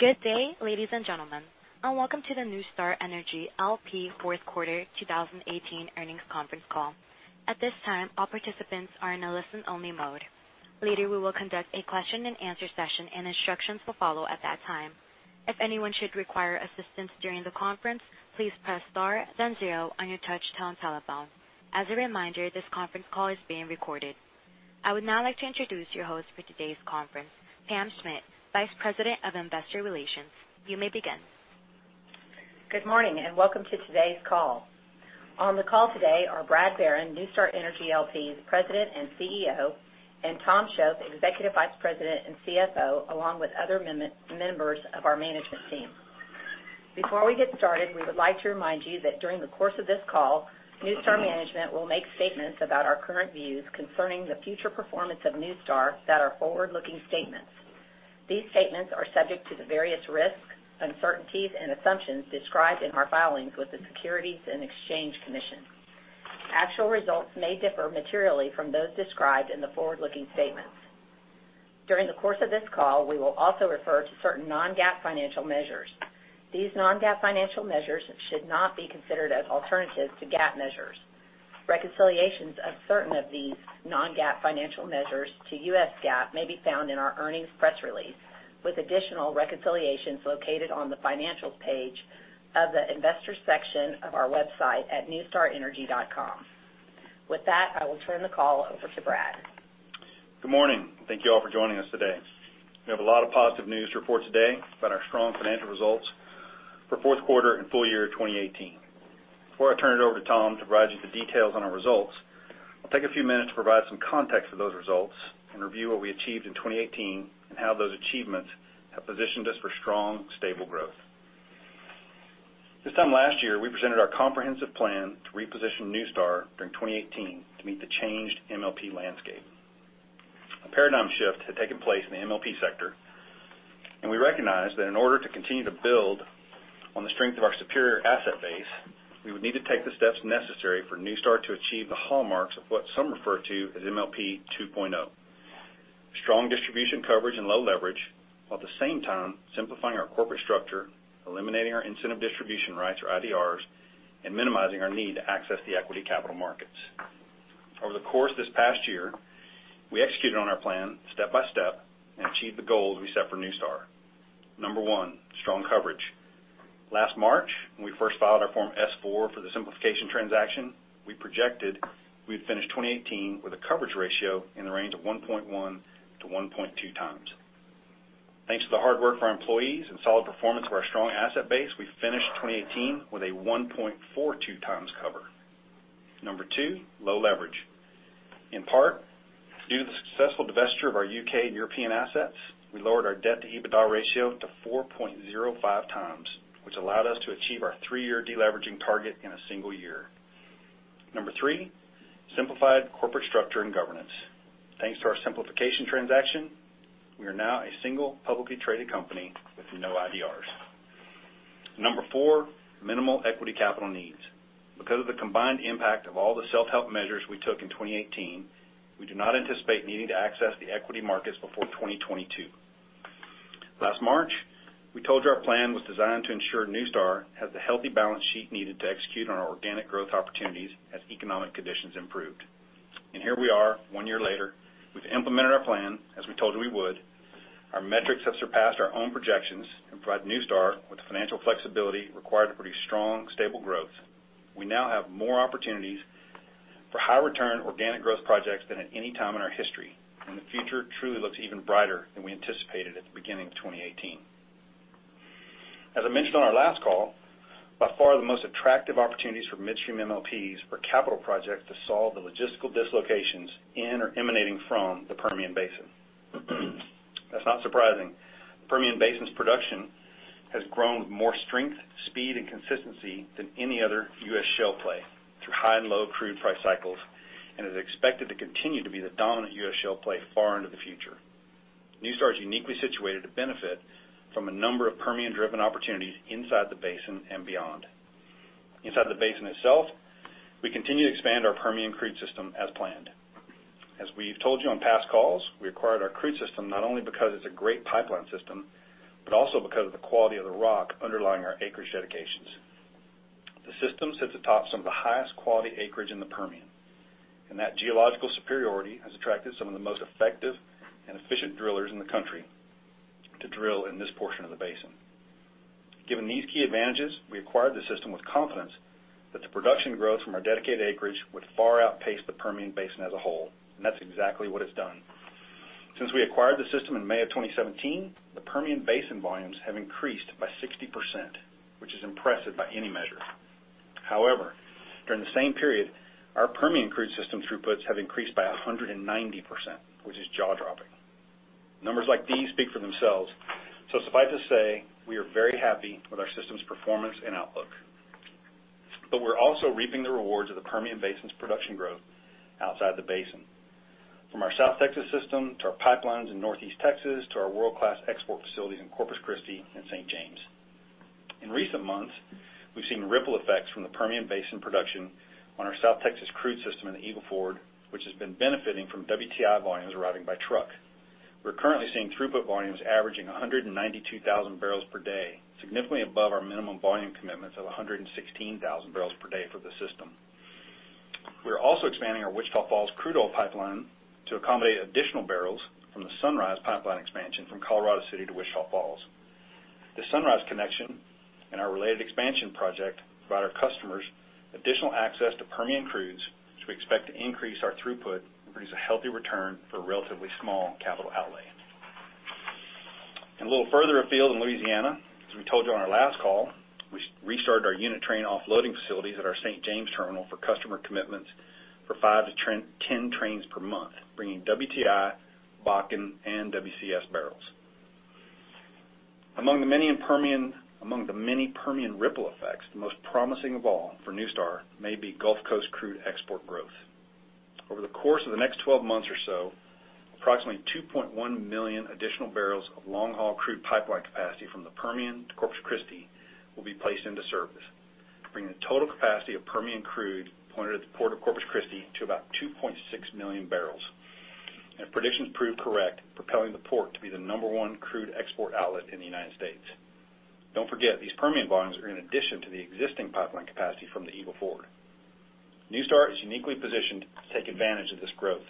Good day, ladies and gentlemen, and welcome to the NuStar Energy L.P. Fourth Quarter 2018 earnings conference call. At this time, all participants are in a listen-only mode. Later, we will conduct a question-and-answer session, and instructions will follow at that time. If anyone should require assistance during the conference, please press star then zero on your touch-tone telephone. As a reminder, this conference call is being recorded. I would now like to introduce your host for today's conference, Pam Schmidt, Vice President of Investor Relations. You may begin. Good morning. Welcome to today's call. On the call today are Brad Barron, NuStar Energy L.P.'s President and CEO, and Tom Shoaf, Executive Vice President and CFO, along with other members of our management team. Before we get started, we would like to remind you that during the course of this call, NuStar management will make statements about our current views concerning the future performance of NuStar that are forward-looking statements. These statements are subject to the various risks, uncertainties, and assumptions described in our filings with the Securities and Exchange Commission. Actual results may differ materially from those described in the forward-looking statements. During the course of this call, we will also refer to certain non-GAAP financial measures. These non-GAAP financial measures should not be considered as alternatives to GAAP measures. Reconciliations of certain of these non-GAAP financial measures to US GAAP may be found in our earnings press release, with additional reconciliations located on the Financial page of the Investor section of our website at nustarenergy.com. With that, I will turn the call over to Brad. Good morning. Thank you all for joining us today. We have a lot of positive news to report today about our strong financial results for fourth quarter and full year 2018. Before I turn it over to Tom to provide you the details on our results, I'll take a few minutes to provide some context for those results and review what we achieved in 2018 and how those achievements have positioned us for strong, stable growth. This time last year, we presented our comprehensive plan to reposition NuStar during 2018 to meet the changed MLP landscape. A paradigm shift had taken place in the MLP sector. We recognized that in order to continue to build on the strength of our superior asset base, we would need to take the steps necessary for NuStar to achieve the hallmarks of what some refer to as MLP 2.0. Strong distribution coverage and low leverage, while at the same time simplifying our corporate structure, eliminating our Incentive Distribution Rights or IDRs, and minimizing our need to access the equity capital markets. Over the course of this past year, we executed on our plan step by step and achieved the goals we set for NuStar. Number one, strong coverage. Last March, when we first filed our Form S-4 for the simplification transaction, we projected we'd finish 2018 with a coverage ratio in the range of 1.1-1.2 times. Thanks to the hard work of our employees and solid performance of our strong asset base, we finished 2018 with a 1.42 times cover. Number two, low leverage. In part due to the successful divesture of our U.K. and European assets, we lowered our debt to EBITDA ratio to 4.05 times, which allowed us to achieve our three-year de-leveraging target in a single year. Number three, simplified corporate structure and governance. Thanks to our simplification transaction, we are now a single publicly traded company with no IDRs. Number four, minimal equity capital needs. Because of the combined impact of all the self-help measures we took in 2018, we do not anticipate needing to access the equity markets before 2022. Last March, we told you our plan was designed to ensure NuStar has the healthy balance sheet needed to execute on our organic growth opportunities as economic conditions improved. Here we are, one year later. We've implemented our plan as we told you we would. Our metrics have surpassed our own projections and provide NuStar with the financial flexibility required to produce strong, stable growth. We now have more opportunities for high return organic growth projects than at any time in our history, and the future truly looks even brighter than we anticipated at the beginning of 2018. As I mentioned on our last call, by far the most attractive opportunities for midstream MLPs are capital projects to solve the logistical dislocations in or emanating from the Permian Basin. That's not surprising. The Permian Basin's production has grown with more strength, speed, and consistency than any other U.S. shale play through high and low crude price cycles and is expected to continue to be the dominant U.S. shale play far into the future. NuStar is uniquely situated to benefit from a number of Permian-driven opportunities inside the basin and beyond. Inside the basin itself, we continue to expand our Permian Crude System as planned. As we've told you on past calls, we acquired our crude system not only because it's a great pipeline system, but also because of the quality of the rock underlying our acreage dedications. The system sits atop some of the highest quality acreage in the Permian, and that geological superiority has attracted some of the most effective and efficient drillers in the country to drill in this portion of the basin. Given these key advantages, we acquired the system with confidence that the production growth from our dedicated acreage would far outpace the Permian Basin as a whole, and that's exactly what it's done. Since we acquired the system in May of 2017, the Permian Basin volumes have increased by 60%, which is impressive by any measure. During the same period, our Permian Crude System throughputs have increased by 190%, which is jaw-dropping. Numbers like these speak for themselves, suffice to say, we are very happy with our system's performance and outlook. We're also reaping the rewards of the Permian Basin's production growth outside the basin. From our South Texas system to our pipelines in Northeast Texas, to our world-class export facilities in Corpus Christi and St. James. In recent months, we've seen ripple effects from the Permian Basin production on our South Texas crude system in the Eagle Ford, which has been benefiting from WTI volumes arriving by truck. We're currently seeing throughput volumes averaging 192,000 barrels per day, significantly above our minimum volume commitments of 116,000 barrels per day for the system. We are also expanding our Wichita Falls crude oil pipeline to accommodate additional barrels from the Sunrise Pipeline expansion from Colorado City to Wichita Falls. The Sunrise connection and our related expansion project provide our customers additional access to Permian crudes, which we expect to increase our throughput and produce a healthy return for a relatively small capital outlay. A little further afield in Louisiana, as we told you on our last call, we restarted our unit train offloading facilities at our St. James terminal for customer commitments for 5-10 trains per month, bringing WTI, Bakken, and WCS barrels. Among the many Permian ripple effects, the most promising of all for NuStar may be Gulf Coast crude export growth. Over the course of the next 12 months or so, approximately 2.1 million additional barrels of long-haul crude pipeline capacity from the Permian to Corpus Christi will be placed into service, bringing the total capacity of Permian crude pointed at the Port of Corpus Christi to about 2.6 million barrels. If predictions prove correct, propelling the port to be the number one crude export outlet in the U.S. Don't forget, these Permian volumes are in addition to the existing pipeline capacity from the Eagle Ford. NuStar is uniquely positioned to take advantage of this growth.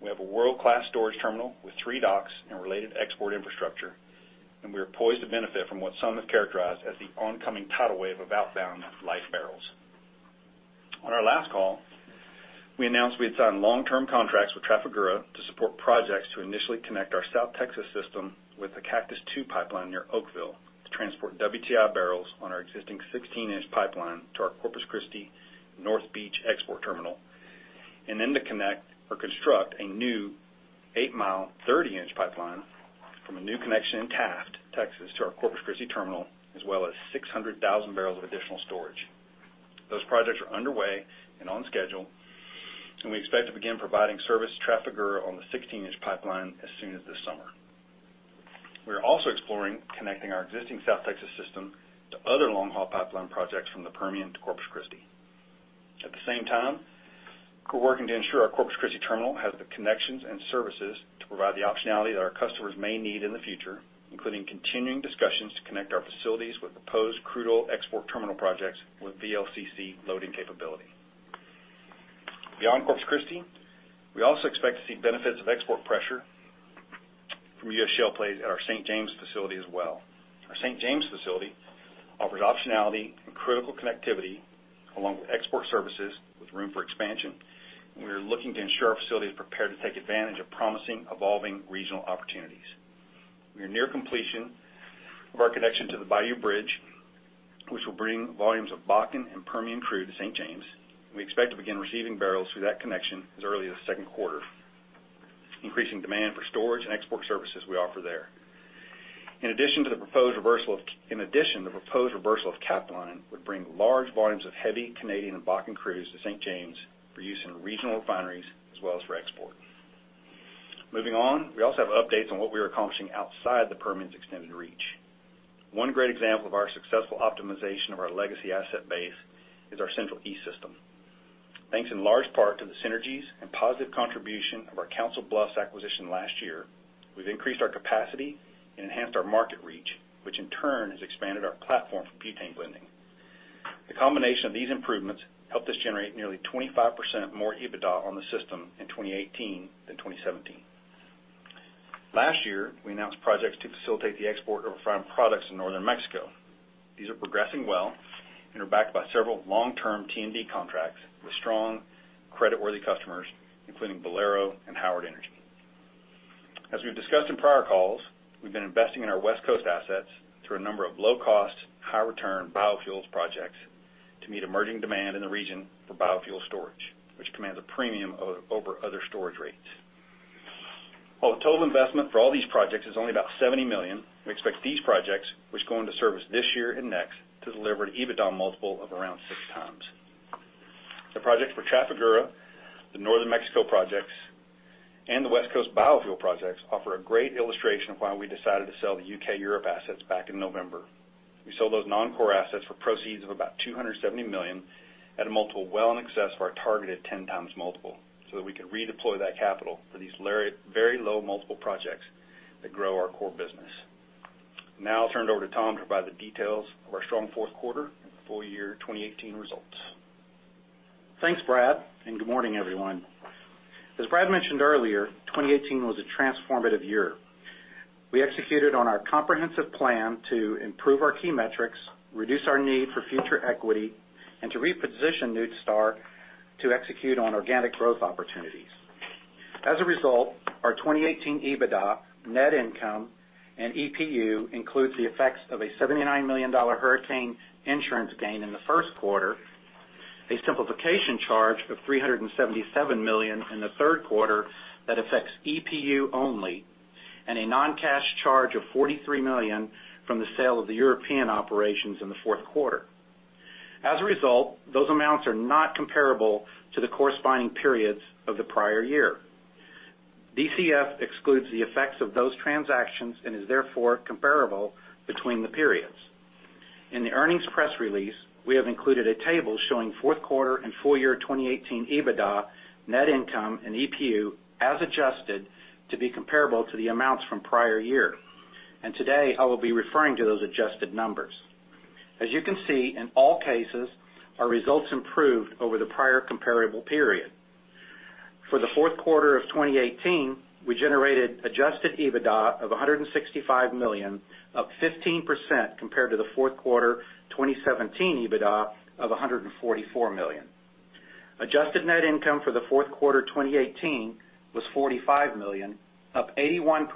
We have a world-class storage terminal with three docks and related export infrastructure, and we are poised to benefit from what some have characterized as the oncoming tidal wave of outbound life barrels. On our last call, we announced we had signed long-term contracts with Trafigura to support projects to initially connect our South Texas system with the Cactus II pipeline near Oakville to transport WTI barrels on our existing 16-inch pipeline to our Corpus Christi North Beach export terminal, and then to connect or construct a new 8-mile, 30-inch pipeline from a new connection in Taft, Texas, to our Corpus Christi terminal, as well as 600,000 barrels of additional storage. Those projects are underway and on schedule, we expect to begin providing service to Trafigura on the 16-inch pipeline as soon as this summer. We are also exploring connecting our existing South Texas system to other long-haul pipeline projects from the Permian to Corpus Christi. At the same time, we're working to ensure our Corpus Christi terminal has the connections and services to provide the optionality that our customers may need in the future, including continuing discussions to connect our facilities with proposed crude oil export terminal projects with VLCC loading capability. Beyond Corpus Christi, we also expect to see benefits of export pressure from U.S. shale plays at our St. James facility as well. Our St. James facility offers optionality and critical connectivity along with export services, with room for expansion, and we are looking to ensure our facility is prepared to take advantage of promising, evolving regional opportunities. We are near completion of our connection to the Bayou Bridge, which will bring volumes of Bakken and Permian crude to St. James. We expect to begin receiving barrels through that connection as early as the second quarter, increasing demand for storage and export services we offer there. In addition to the proposed reversal of Capline, would bring large volumes of heavy Canadian and Bakken crudes to St. James for use in regional refineries as well as for export. We also have updates on what we are accomplishing outside the Permian's extended reach. One great example of our successful optimization of our legacy asset base is our Central East System. Thanks in large part to the synergies and positive contribution of our Council Bluffs acquisition last year, we've increased our capacity and enhanced our market reach, which in turn has expanded our platform for butane blending. The combination of these improvements helped us generate nearly 25% more EBITDA on the system in 2018 than 2017. Last year, we announced projects to facilitate the export of refined products in Northern Mexico. These are progressing well and are backed by several long-term T&D contracts with strong creditworthy customers, including Valero and Howard Energy. As we've discussed in prior calls, we've been investing in our West Coast assets through a number of low-cost, high-return biofuels projects to meet emerging demand in the region for biofuel storage, which commands a premium over other storage rates. While the total investment for all these projects is only about $70 million, we expect these projects, which go into service this year and next, to deliver an EBITDA multiple of around 6x. The projects for Trafigura, the Northern Mexico projects, and the West Coast biofuel projects offer a great illustration of why we decided to sell the U.K. Europe assets back in November. We sold those non-core assets for proceeds of about $270 million at a multiple well in excess of our targeted 10x multiple, so that we could redeploy that capital for these very low multiple projects that grow our core business. I'll turn it over to Tom to provide the details of our strong fourth quarter and full year 2018 results. Thanks, Brad, good morning, everyone. As Brad mentioned earlier, 2018 was a transformative year. We executed on our comprehensive plan to improve our key metrics, reduce our need for future equity, and to reposition NuStar to execute on organic growth opportunities. As a result, our 2018 EBITDA, net income, and EPU includes the effects of a $79 million hurricane insurance gain in the first quarter, a simplification charge of $377 million in the third quarter that affects EPU only, and a non-cash charge of $43 million from the sale of the European operations in the fourth quarter. As a result, those amounts are not comparable to the corresponding periods of the prior year. DCF excludes the effects of those transactions and is therefore comparable between the periods. In the earnings press release, we have included a table showing fourth quarter and full year 2018 EBITDA, net income and EPU, as adjusted to be comparable to the amounts from prior year. Today, I will be referring to those adjusted numbers. As you can see, in all cases, our results improved over the prior comparable period. For the fourth quarter of 2018, we generated adjusted EBITDA of $165 million, up 15% compared to the fourth quarter 2017 EBITDA of $144 million. Adjusted net income for the fourth quarter 2018 was $45 million, up 81%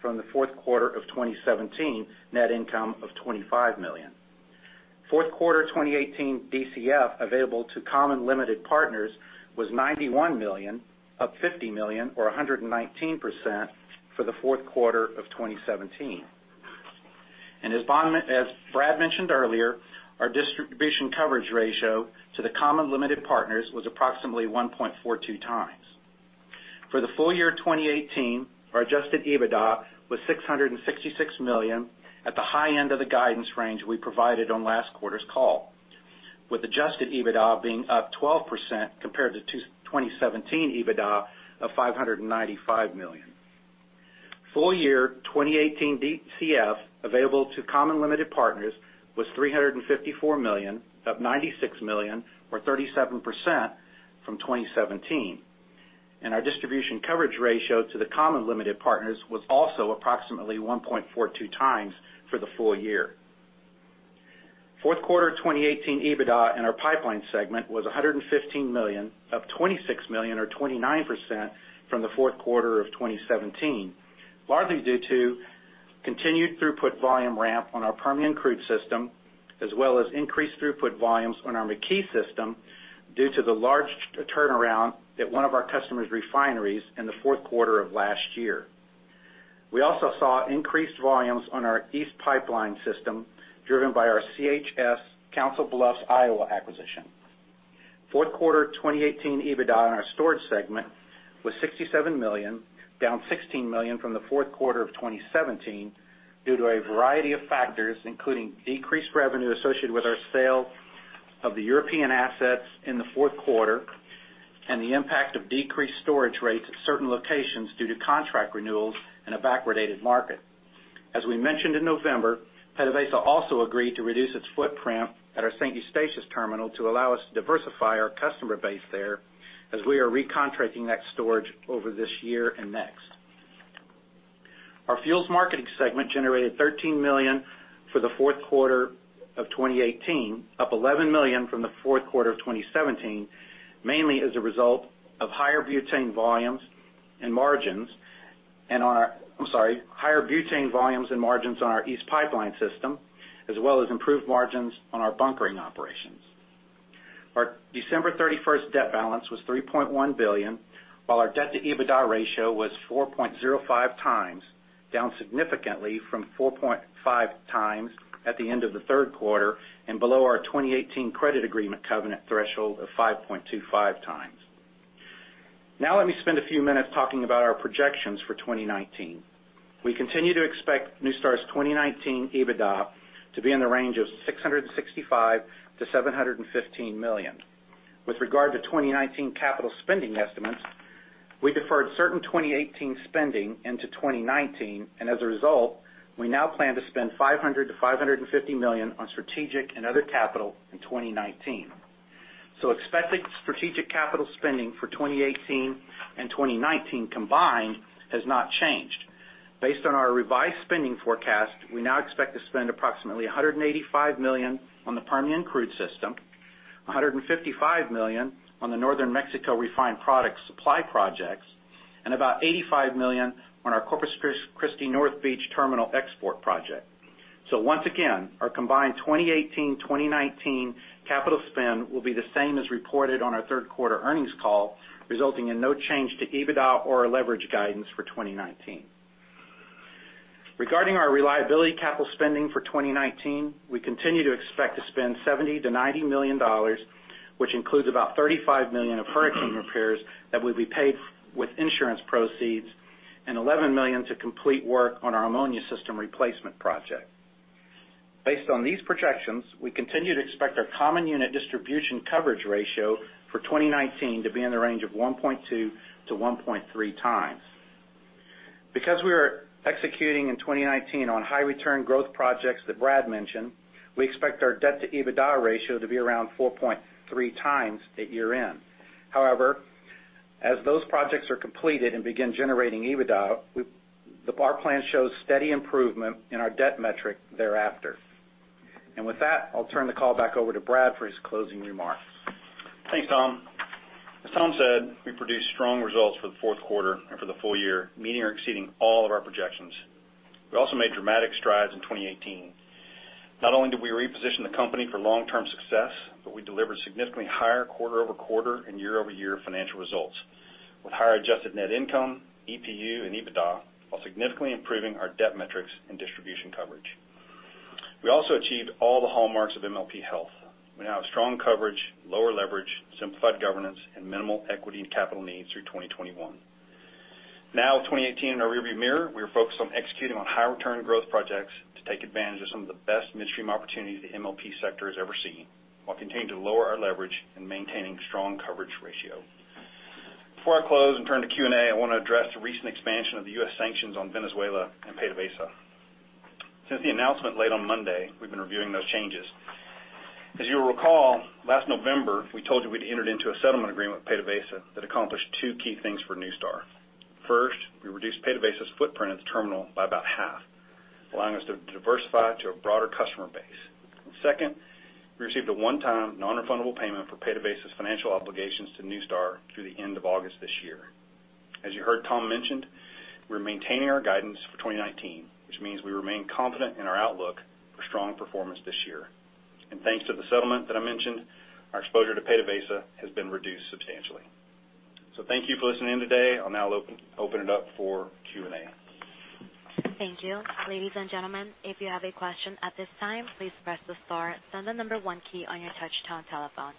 from the fourth quarter of 2017 net income of $25 million. Fourth quarter 2018 DCF available to common limited partners was $91 million, up $50 million or 119% for the fourth quarter of 2017. As Brad mentioned earlier, our distribution coverage ratio to the common limited partners was approximately 1.42 times. For the full year 2018, our adjusted EBITDA was $666 million at the high end of the guidance range we provided on last quarter's call, with adjusted EBITDA being up 12% compared to 2017 EBITDA of $595 million. Full year 2018 DCF available to common limited partners was $354 million, up $96 million or 37% from 2017. Our distribution coverage ratio to the common limited partners was also approximately 1.42 times for the full year. Fourth quarter 2018 EBITDA in our pipeline segment was $115 million, up $26 million or 29% from the fourth quarter of 2017, largely due to continued throughput volume ramp on our Permian Crude System, as well as increased throughput volumes on our McKee system due to the large turnaround at one of our customer's refineries in the fourth quarter of last year. We also saw increased volumes on our East pipeline system, driven by our CHS Council Bluffs, Iowa acquisition. Fourth quarter 2018 EBITDA in our storage segment was $67 million, down $16 million from the fourth quarter of 2017 due to a variety of factors, including decreased revenue associated with our sale of the European assets in the fourth quarter and the impact of decreased storage rates at certain locations due to contract renewals in a backwardated market. As we mentioned in November, PDVSA also agreed to reduce its footprint at our St. Eustatius terminal to allow us to diversify our customer base there as we are recontracting that storage over this year and next. Our fuels marketing segment generated $13 million for the fourth quarter of 2018, up $11 million from the fourth quarter of 2017, mainly as a result of higher butane volumes and margins on our East pipeline system, as well as improved margins on our bunkering operations. Our December 31st debt balance was $3.1 billion, while our debt to EBITDA ratio was 4.05 times, down significantly from 4.5 times at the end of the third quarter and below our 2018 credit agreement covenant threshold of 5.25 times. Let me spend a few minutes talking about our projections for 2019. We continue to expect NuStar's 2019 EBITDA to be in the range of $665 million-$715 million. With regard to 2019 capital spending estimates, we deferred certain 2018 spending into 2019, as a result, we now plan to spend $500 million-$550 million on strategic and other capital in 2019. Expected strategic capital spending for 2018 and 2019 combined has not changed. Based on our revised spending forecast, we now expect to spend approximately $185 million on the Permian Crude System, $155 million on the Northern Mexico refined product supply projects, and about $85 million on our Corpus Christi North Beach Terminal Export Project. Once again, our combined 2018, 2019 capital spend will be the same as reported on our third quarter earnings call, resulting in no change to EBITDA or our leverage guidance for 2019. Regarding our reliability capital spending for 2019, we continue to expect to spend $70 million-$90 million, which includes about $35 million of hurricane repairs that will be paid with insurance proceeds and $11 million to complete work on our ammonia system replacement project. Based on these projections, we continue to expect our common unit distribution coverage ratio for 2019 to be in the range of 1.2-1.3 times. Because we are executing in 2019 on high return growth projects that Brad mentioned, we expect our debt to EBITDA ratio to be around 4.3 times at year-end. As those projects are completed and begin generating EBITDA, the bar plan shows steady improvement in our debt metric thereafter. With that, I'll turn the call back over to Brad for his closing remarks. Thanks, Tom. As Tom said, we produced strong results for the fourth quarter and for the full year, meeting or exceeding all of our projections. We also made dramatic strides in 2018. Not only did we reposition the company for long-term success, but we delivered significantly higher quarter-over-quarter and year-over-year financial results with higher adjusted net income, EPU and EBITDA, while significantly improving our debt metrics and distribution coverage. We also achieved all the hallmarks of MLP health. We now have strong coverage, lower leverage, simplified governance, and minimal equity and capital needs through 2021. With 2018 in our rear-view mirror, we are focused on executing on high return growth projects to take advantage of some of the best midstream opportunities the MLP sector has ever seen, while continuing to lower our leverage and maintaining strong coverage ratio. Before I close and turn to Q&A, I want to address the recent expansion of the U.S. sanctions on Venezuela and PDVSA. Since the announcement late on Monday, we've been reviewing those changes. As you'll recall, last November, we told you we'd entered into a settlement agreement with PDVSA that accomplished two key things for NuStar. First, we reduced PDVSA's footprint at the terminal by about half, allowing us to diversify to a broader customer base. Second, we received a one-time, non-refundable payment for PDVSA's financial obligations to NuStar through the end of August this year. As you heard Tom mention, we're maintaining our guidance for 2019, which means we remain confident in our outlook for strong performance this year. Thanks to the settlement that I mentioned, our exposure to PDVSA has been reduced substantially. Thank you for listening in today. I'll now open it up for Q&A. Thank you. Ladies and gentlemen, if you have a question at this time, please press the star, then the number one key on your touchtone telephone.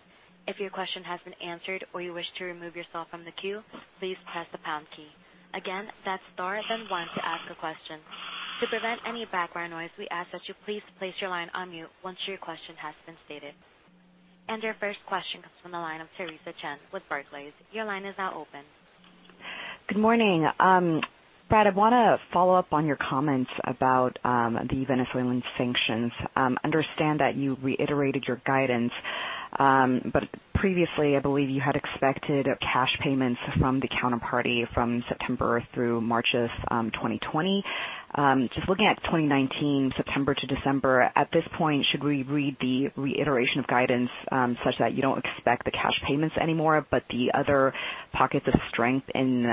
If your question has been answered or you wish to remove yourself from the queue, please press the pound key. Again, that's star, then one to ask a question. To prevent any background noise, we ask that you please place your line on mute once your question has been stated. Your first question comes from the line of Theresa Chen with Barclays. Your line is now open. Good morning. Brad, I want to follow up on your comments about the Venezuelan sanctions. Understand that you reiterated your guidance, previously, I believe you had expected cash payments from the counterparty from September through March of 2020. Just looking at 2019, September to December, at this point, should we read the reiteration of guidance such that you don't expect the cash payments anymore, the other pockets of strength in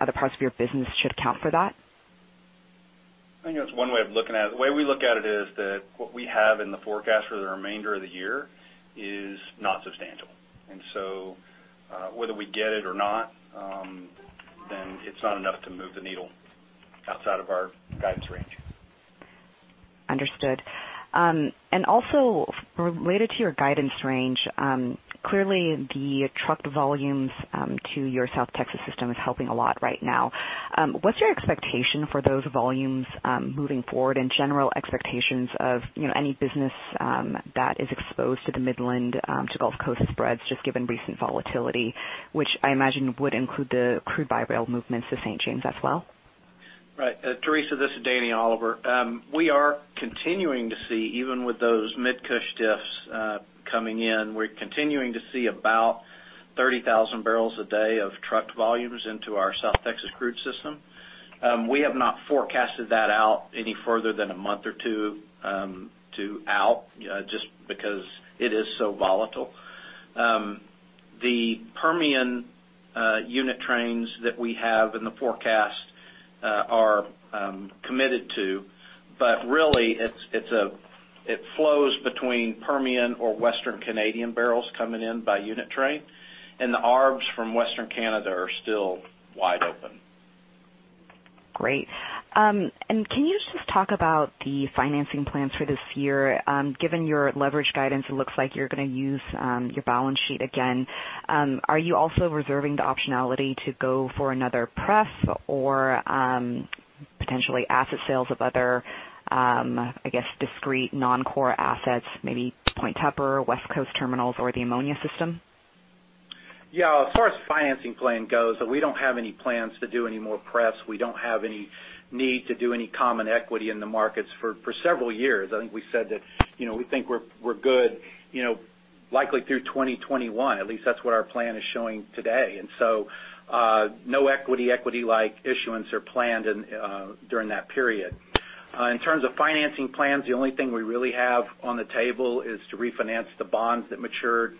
other parts of your business should account for that? I think that's one way of looking at it. The way we look at it is that what we have in the forecast for the remainder of the year is not substantial. Whether we get it or not, it's not enough to move the needle outside of our guidance range. Understood. Also related to your guidance range, clearly the truck volumes to your South Texas system is helping a lot right now. What's your expectation for those volumes moving forward, and general expectations of any business that is exposed to the Midland to Gulf Coast spreads, just given recent volatility? Which I imagine would include the crude-by-rail movements to St. James as well. Right. Theresa, this is Danny Oliver. We are continuing to see, even with those Mid-Cush diffs coming in, we are continuing to see about 30,000 barrels a day of truck volumes into our South Texas crude system. We have not forecasted that out any further than one or two out, just because it is so volatile. The Permian unit trains that we have in the forecast are committed to, but really, it flows between Permian or Western Canadian barrels coming in by unit train, and the ARBs from Western Canada are still wide open. Great. Can you just talk about the financing plans for this year? Given your leverage guidance, it looks like you are going to use your balance sheet again. Are you also reserving the optionality to go for another pref or potentially asset sales of other, I guess, discrete non-core assets, maybe Point Tupper, West Coast terminals, or the ammonia system? Yeah. As far as financing plan goes, we don't have any plans to do any more prefs. We don't have any need to do any common equity in the markets for several years. I think we said that we think we're good likely through 2021. At least that's what our plan is showing today. No equity-like issuance are planned during that period. In terms of financing plans, the only thing we really have on the table is to refinance the bonds that matured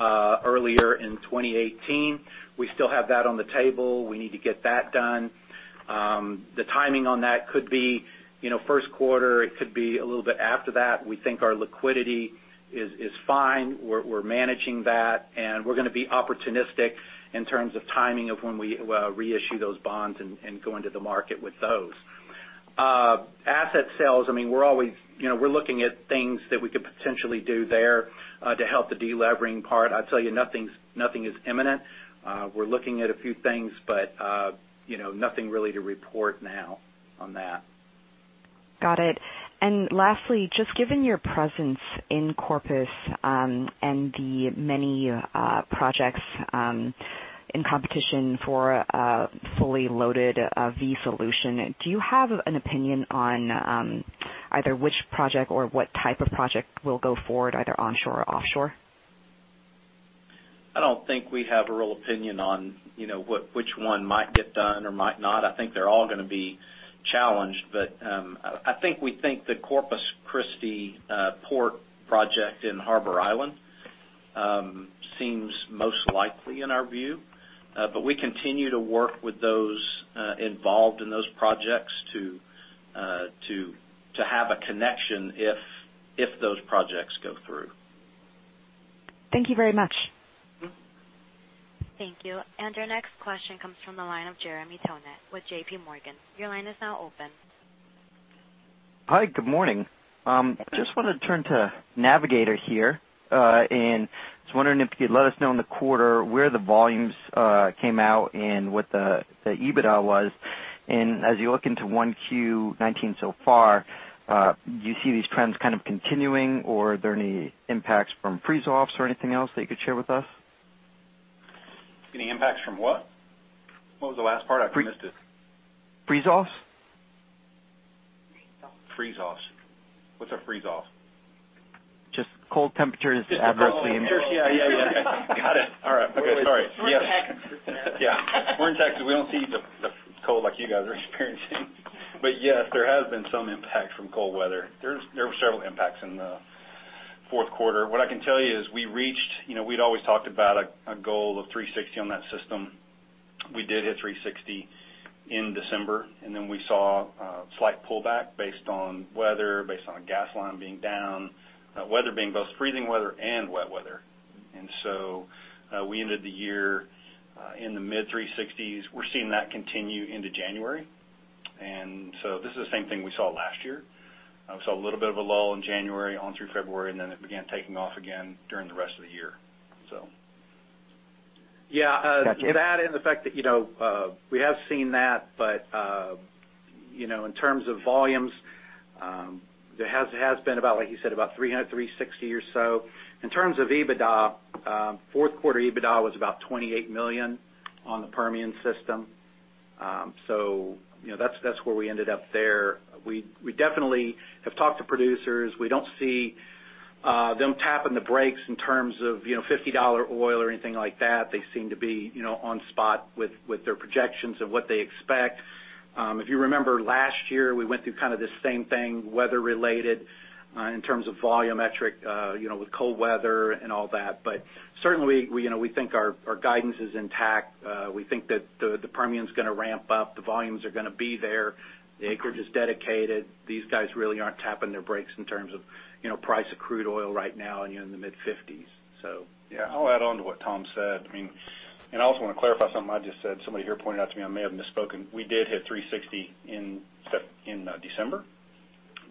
earlier in 2018. We still have that on the table. We need to get that done. The timing on that could be first quarter, it could be a little bit after that. We think our liquidity is fine. We're managing that, and we're going to be opportunistic in terms of timing of when we reissue those bonds and go into the market with those. Asset sales, we're looking at things that we could potentially do there to help the de-levering part. I'd tell you nothing is imminent. We're looking at a few things, nothing really to report now on that. Got it. Lastly, just given your presence in Corpus and the many projects in competition for a fully loaded VLCC solution, do you have an opinion on either which project or what type of project will go forward, either onshore or offshore? I don't think we have a real opinion on which one might get done or might not. I think they're all going to be challenged. I think we think the Corpus Christi Port project in Harbor Island seems most likely in our view. We continue to work with those involved in those projects to have a connection if those projects go through. Thank you very much. Thank you. Our next question comes from the line of Jeremy Tonet with JPMorgan. Your line is now open. Hi, good morning. Just wanted to turn to Navigator here, and just wondering if you could let us know in the quarter where the volumes came out and what the EBITDA was. As you look into 1Q 2019 so far, do you see these trends kind of continuing, or are there any impacts from freeze-offs or anything else that you could share with us? Any impacts from what? What was the last part? I missed it. Freeze-offs. Freeze-offs. What's a freeze-off? Just cold temperatures adversely impacting Just the cold. Yeah. Got it. All right. Okay. Sorry. Yes. We're in Texas here. Yeah. We're in Texas. We don't see the cold like you guys are experiencing. Yes, there has been some impact from cold weather. There were several impacts in the fourth quarter. What I can tell you is we'd always talked about a goal of 360 on that system. We did hit 360 in December. We saw a slight pullback based on weather, based on a gas line being down, weather being both freezing weather and wet weather. We ended the year in the mid-360s. We're seeing that continue into January. This is the same thing we saw last year. We saw a little bit of a lull in January on through February. It began taking off again during the rest of the year. So Yeah. Gotcha. In terms of volumes, it has been about, like you said, about 360 or so. In terms of EBITDA, fourth quarter EBITDA was about $28 million on the Permian Crude System. That's where we ended up there. We definitely have talked to producers. We don't see them tapping the brakes in terms of $50 oil or anything like that. They seem to be on spot with their projections of what they expect. If you remember last year, we went through kind of the same thing weather related in terms of volumetric with cold weather and all that. Certainly, we think our guidance is intact. We think that the Permian's gonna ramp up. The volumes are gonna be there. The acreage is dedicated. These guys really aren't tapping their brakes in terms of price of crude oil right now in the mid-$50s. Yeah. I'll add on to what Tom said. I also want to clarify something I just said. Somebody here pointed out to me, I may have misspoken. We did hit 360 in December,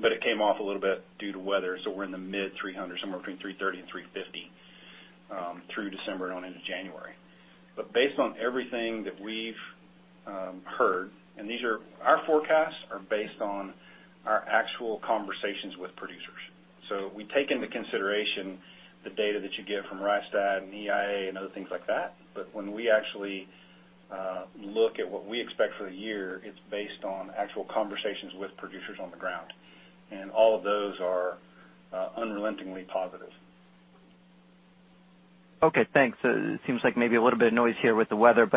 but it came off a little bit due to weather. We're in the mid-300s, somewhere between 330 and 350 through December and on into January. Based on everything that we've heard, and our forecasts are based on our actual conversations with producers. We take into consideration the data that you get from Rystad and EIA and other things like that. When we actually look at what we expect for the year, it's based on actual conversations with producers on the ground, and all of those are unrelentingly positive. Okay, thanks. It seems like maybe a little bit of noise here with the weather,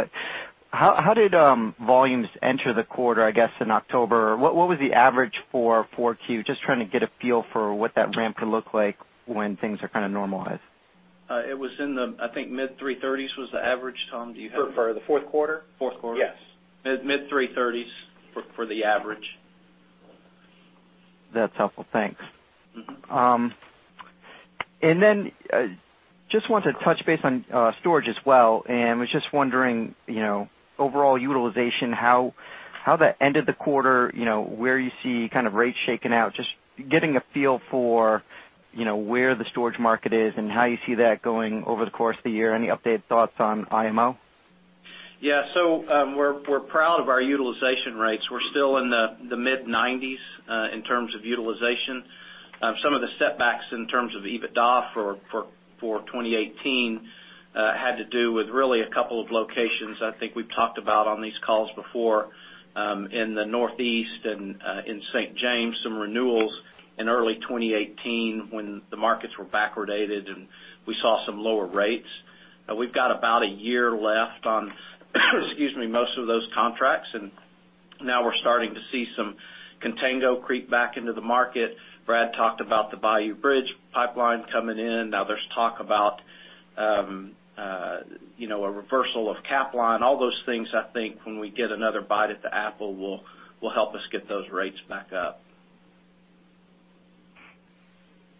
how did volumes enter the quarter, I guess in October? What was the average for 4Q? Just trying to get a feel for what that ramp could look like when things are kind of normalized. It was in the, I think, mid-330s was the average. Tom, do you have- For the fourth quarter? Fourth quarter. Yes. Mid-330s for the average. That's helpful. Thanks. Just wanted to touch base on storage as well, was just wondering, overall utilization, how the end of the quarter where you see kind of rates shaken out, just getting a feel for where the storage market is and how you see that going over the course of the year. Any updated thoughts on IMO? We're proud of our utilization rates. We're still in the mid-90s in terms of utilization. Some of the setbacks in terms of EBITDA for 2018 had to do with really a couple of locations. I think we've talked about on these calls before in the Northeast and in St. James, some renewals in early 2018 when the markets were backwardated, we saw some lower rates. We've got about a year left on excuse me, most of those contracts, now we're starting to see some contango creep back into the market. Brad talked about the Bayou Bridge pipeline coming in. Now there's talk about a reversal of Capline. All those things, I think when we get another bite at the apple, will help us get those rates back up.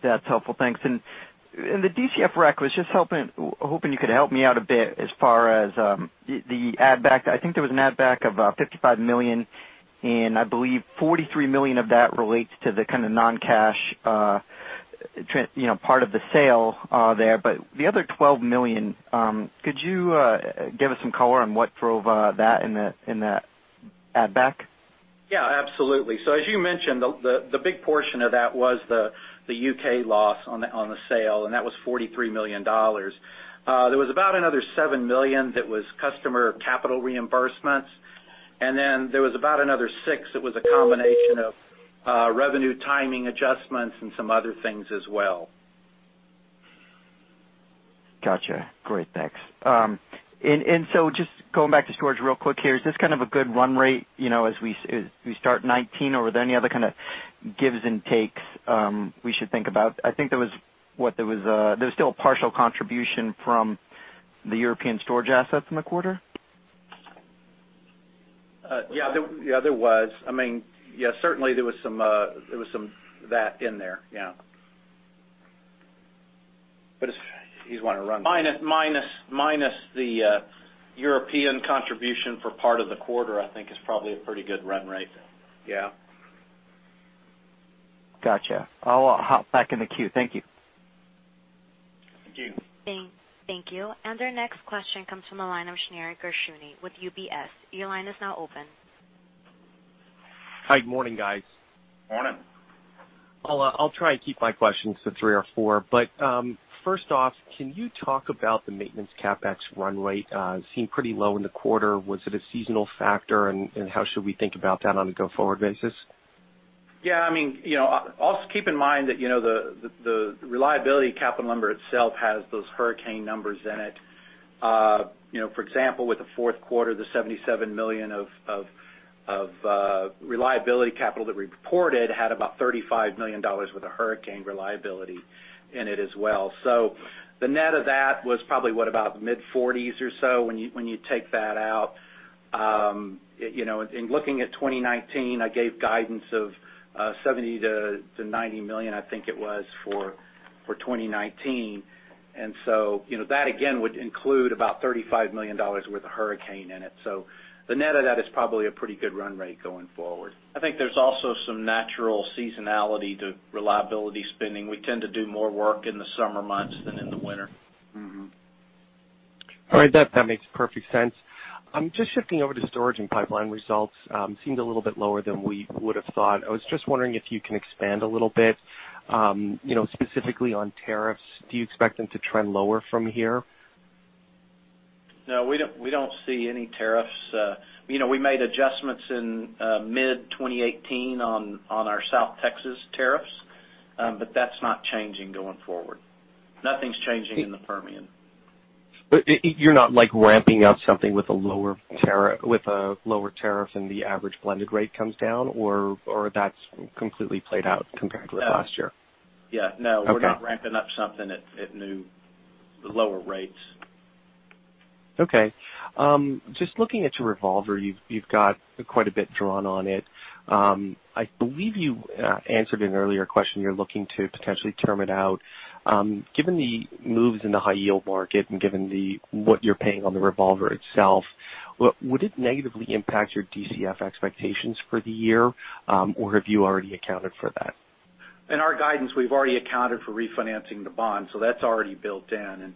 That's helpful. Thanks. The DCF rec, was just hoping you could help me out a bit as far as the add back. I think there was an add back of $55 million, I believe $43 million of that relates to the kind of non-cash part of the sale there. The other $12 million, could you give us some color on what drove that in that add back? Yeah, absolutely. As you mentioned, the big portion of that was the U.K. loss on the sale, that was $43 million. There was about another $7 million that was customer capital reimbursements. There was about another $6 million that was a combination of revenue timing adjustments and some other things as well. Gotcha. Great. Thanks. Just going back to storage real quick here. Is this kind of a good run rate as we start 2019? Are there any other kind of gives and takes we should think about? I think there was still a partial contribution from the European storage assets in the quarter? Yeah. There was. Certainly, there was some of that in there. Yeah. If you want to run- Minus the European contribution for part of the quarter, I think is probably a pretty good run rate. Yeah. Got you. I'll hop back in the queue. Thank you. Thank you. Thank you. Our next question comes from the line of Shneur Gershuni with UBS. Your line is now open. Hi. Morning, guys. Morning. I'll try and keep my questions to three or four. First off, can you talk about the maintenance CapEx run rate? Seemed pretty low in the quarter. Was it a seasonal factor, and how should we think about that on a go-forward basis? Yeah. Also keep in mind that the reliability capital number itself has those hurricane numbers in it. For example, with the fourth quarter, the $77 million of reliability capital that we reported had about $35 million worth of hurricane reliability in it as well. The net of that was probably, what, about mid-40s or so when you take that out. In looking at 2019, I gave guidance of $70 million-$90 million, I think it was, for 2019. That again would include about $35 million worth of hurricane in it. The net of that is probably a pretty good run rate going forward. I think there's also some natural seasonality to reliability spending. We tend to do more work in the summer months than in the winter. Mm-hmm. All right. That makes perfect sense. Just shifting over to storage and pipeline results. Seemed a little bit lower than we would've thought. I was just wondering if you can expand a little bit. Specifically on tariffs, do you expect them to trend lower from here? No, we don't see any tariffs. We made adjustments in mid-2018 on our South Texas tariffs. That's not changing going forward. Nothing's changing in the Permian. You're not ramping up something with a lower tariff and the average blended rate comes down? That's completely played out compared to last year? Yeah, no. Okay. We're not ramping up something at new, lower rates. Just looking at your revolver, you've got quite a bit drawn on it. I believe you answered an earlier question, you're looking to potentially term it out. Given the moves in the high-yield market and given what you're paying on the revolver itself, would it negatively impact your DCF expectations for the year? Have you already accounted for that? In our guidance, we've already accounted for refinancing the bond. That's already built in.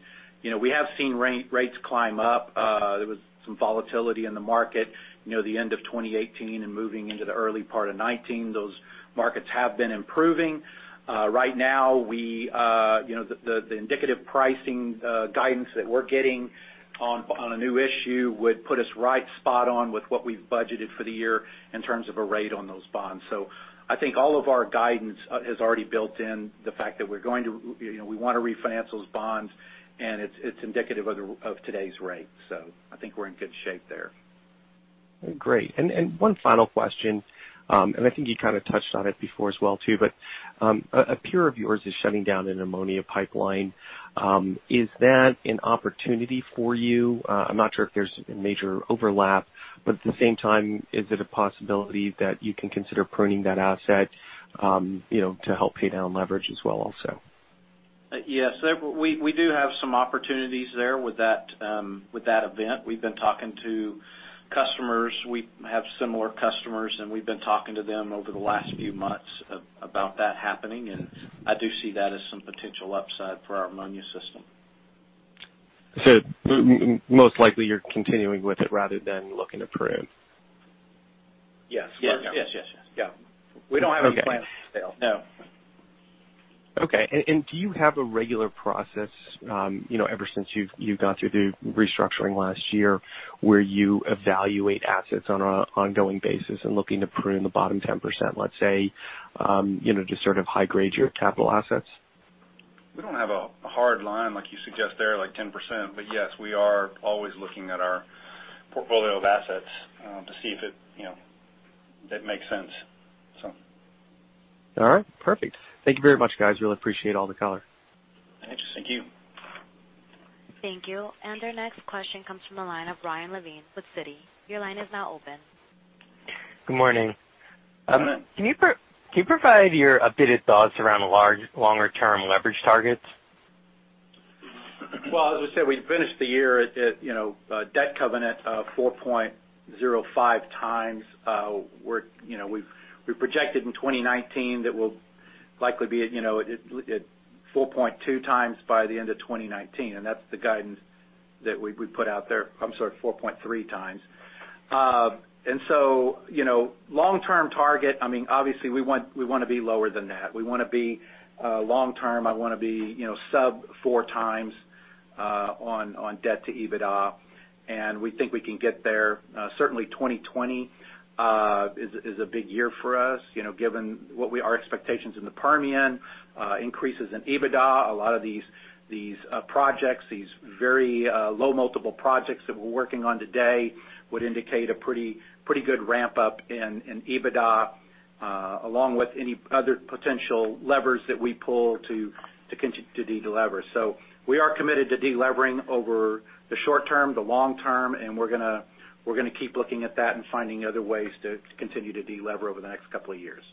We have seen rates climb up. There was some volatility in the market the end of 2018 and moving into the early part of 2019. Those markets have been improving. Right now, the indicative pricing guidance that we're getting on a new issue would put us right spot on with what we've budgeted for the year in terms of a rate on those bonds. I think all of our guidance has already built in the fact that we want to refinance those bonds, and it's indicative of today's rates. I think we're in good shape there. Great. One final question. I think you kind of touched on it before as well, too, a peer of yours is shutting down an ammonia pipeline. Is that an opportunity for you? I'm not sure if there's a major overlap, at the same time, is it a possibility that you can consider pruning that asset to help pay down leverage as well also? Yes. We do have some opportunities there with that event. We've been talking to customers. We have similar customers, we've been talking to them over the last few months about that happening, I do see that as some potential upside for our ammonia system. Most likely you're continuing with it rather than looking to prune. Yes. We don't have any plans to sell. No. Do you have a regular process, ever since you've gone through the restructuring last year, where you evaluate assets on an ongoing basis and looking to prune the bottom 10%, let's say, to sort of high-grade your capital assets? We don't have a hard line like you suggest there, like 10%. Yes, we are always looking at our portfolio of assets to see if it makes sense. All right. Perfect. Thank you very much, guys. Really appreciate all the color. Thanks. Thank you. Thank you. Our next question comes from the line of Ryan Levine with Citi. Your line is now open. Good morning. Good morning. Can you provide your updated thoughts around the longer-term leverage targets? As I said, we finished the year at a debt covenant of 4.05 times. We projected in 2019 that we'll likely be at 4.2 times by the end of 2019. That's the guidance that we put out there— I'm sorry, 4.3 times. Long-term target, obviously we want to be lower than that. Long-term, I want to be sub four times on debt to EBITDA, and we think we can get there. Certainly 2020 is a big year for us, given our expectations in the Permian, increases in EBITDA. A lot of these projects, these very low multiple projects that we're working on today would indicate a pretty good ramp-up in EBITDA, along with any other potential levers that we pull to de-lever. We are committed to de-levering over the short term, the long term, and we're going to keep looking at that and finding other ways to continue to de-lever over the next couple of years.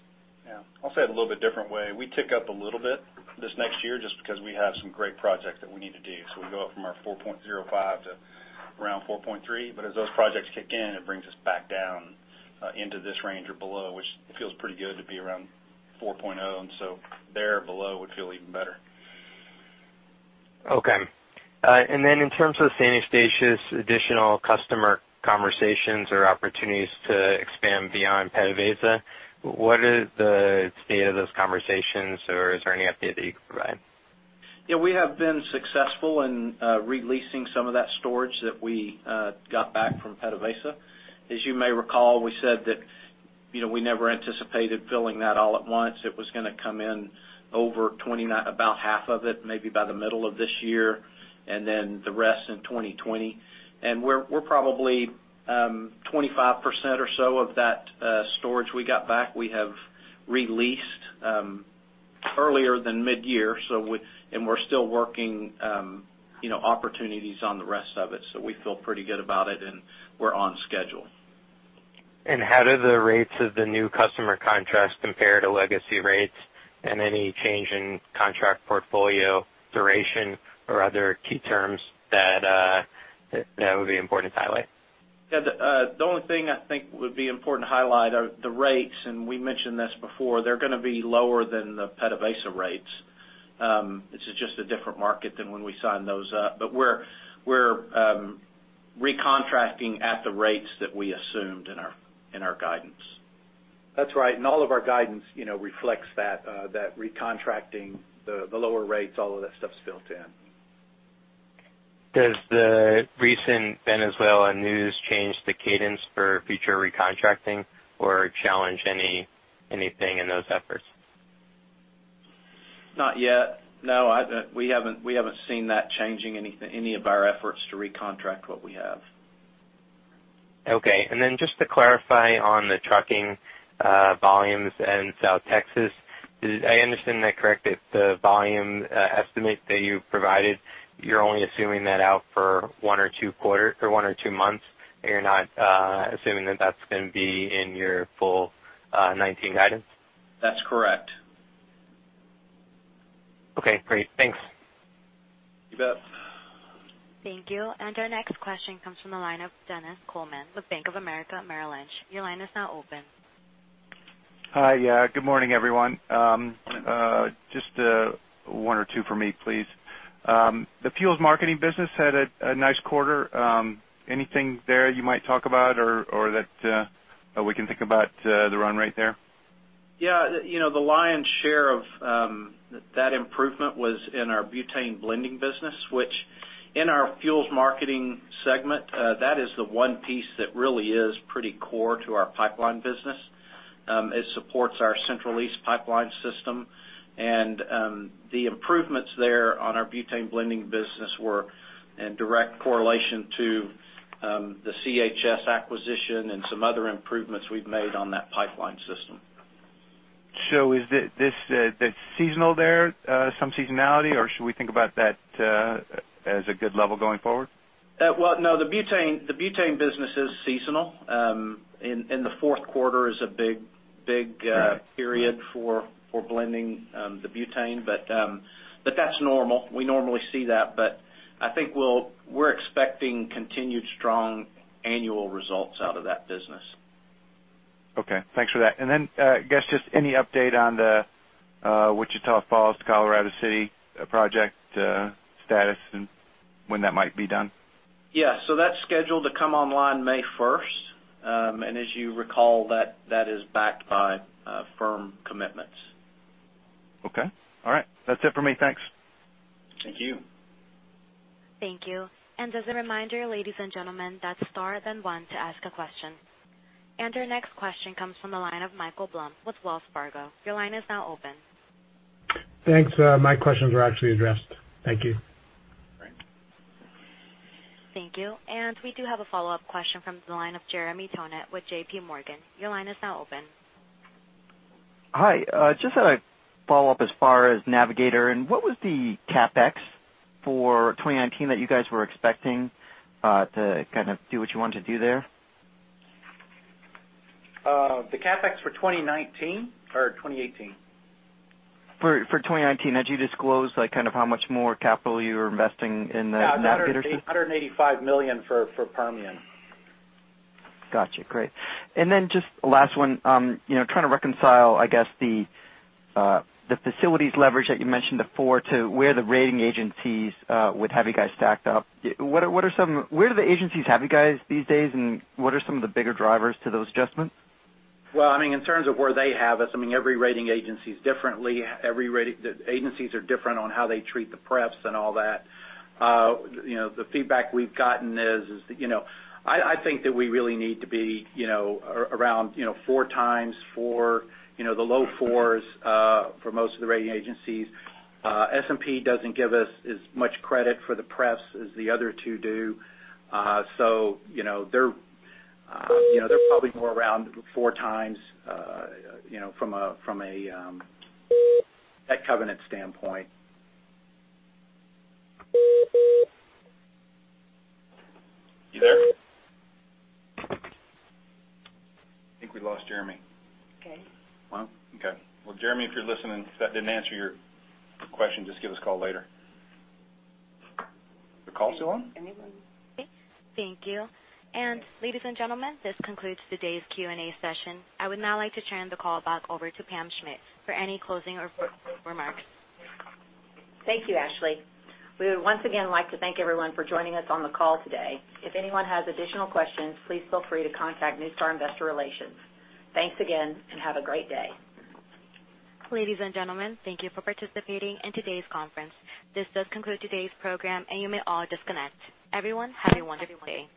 Yeah. I'll say it a little bit different way. We tick up a little bit this next year just because we have some great projects that we need to do. We go up from our 4.05 to around 4.3. As those projects kick in, it brings us back down into this range or below, which it feels pretty good to be around 4.0, there or below would feel even better. Okay. In terms of St. Eustatius, additional customer conversations or opportunities to expand beyond PDVSA, what is the state of those conversations or is there any update that you could provide? Yeah, we have been successful in releasing some of that storage that we got back from PDVSA. As you may recall, we said that we never anticipated filling that all at once. It was going to come in over about half of it, maybe by the middle of this year, the rest in 2020. We're probably 25% or so of that storage we got back, we have released earlier than mid-year. We're still working opportunities on the rest of it, we feel pretty good about it and we're on schedule. How do the rates of the new customer contracts compare to legacy rates and any change in contract portfolio duration or other key terms that would be important to highlight? The only thing I think would be important to highlight are the rates. We mentioned this before. They're going to be lower than the PDVSA rates. It's just a different market than when we signed those up. We're recontracting at the rates that we assumed in our guidance. That's right. All of our guidance reflects that recontracting, the lower rates, all of that stuff's built in. Does the recent Venezuela news change the cadence for future recontracting or challenge anything in those efforts? Not yet. We haven't seen that changing any of our efforts to recontract what we have. Okay. Just to clarify on the trucking volumes in South Texas, I understand that correct, that the volume estimate that you provided, you're only assuming that out for one or two months, and you're not assuming that that's going to be in your full 2019 guidance? That's correct. Okay, great. Thanks. You bet. Thank you. Our next question comes from the line of Dennis Coleman with Bank of America Merrill Lynch. Your line is now open. Hi. Good morning, everyone. Just one or two for me, please. The fuels marketing business had a nice quarter. Anything there you might talk about or that we can think about the run rate there? Yeah. The lion's share of that improvement was in our butane blending business, which in our fuels marketing segment, that is the one piece that really is pretty core to our pipeline business. It supports our Central East System. The improvements there on our butane blending business were in direct correlation to the CHS acquisition and some other improvements we've made on that pipeline system. Is this seasonal there? Some seasonality, or should we think about that as a good level going forward? Well, no, the butane business is seasonal. The fourth quarter is a big period for blending the butane. That's normal. We normally see that. I think we're expecting continued strong annual results out of that business. Okay, thanks for that. I guess just any update on the Wichita Falls to Colorado City project status and when that might be done? Yeah. That's scheduled to come online May 1st. As you recall, that is backed by firm commitments. Okay. All right. That's it for me. Thanks. Thank you. Thank you. As a reminder, ladies and gentlemen, that's star then one to ask a question. Our next question comes from the line of Michael Blum with Wells Fargo. Your line is now open. Thanks. My questions were actually addressed. Thank you. Great. Thank you. We do have a follow-up question from the line of Jeremy Tonet with JPMorgan. Your line is now open. Hi. Just had a follow-up as far as Navigator and what was the CapEx for 2019 that you guys were expecting to kind of do what you want to do there? The CapEx for 2019 or 2018? For 2019. Had you disclosed kind of how much more capital you were investing in the Navigator system? $185 million for Permian. Got you. Great. Just last one. Trying to reconcile, I guess, the facilities leverage that you mentioned before to where the rating agencies would have you guys stacked up. Where do the agencies have you guys these days, and what are some of the bigger drivers to those adjustments? Well, in terms of where they have us, every rating agency is differently. Agencies are different on how they treat the pref and all that. The feedback we've gotten is I think that we really need to be around 4 times for the low fours for most of the rating agencies. S&P doesn't give us as much credit for the pref as the other two do. They're probably more around 4 times from a debt covenant standpoint. You there? I think we lost Jeremy. Okay. Well, okay. Well, Jeremy, if you're listening, if that didn't answer your question, just give us a call later. Are calls still on? Anyone? Thank you. Ladies and gentlemen, this concludes today's Q&A session. I would now like to turn the call back over to Pam Schmidt for any closing or remarks. Thank you, Ashley. We would once again like to thank everyone for joining us on the call today. If anyone has additional questions, please feel free to contact NuStar Investor Relations. Thanks again, and have a great day. Ladies and gentlemen, thank you for participating in today's conference. This does conclude today's program, and you may all disconnect. Everyone, have a wonderful day.